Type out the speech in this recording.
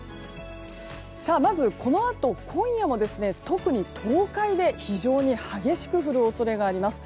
まず、このあと今夜も特に東海で非常に激しく降る恐れがあります。